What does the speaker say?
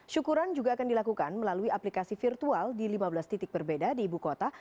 syukuran juga akan dilakukan melalui aplikasi virtual di lima belas titik berbeda di ibu kota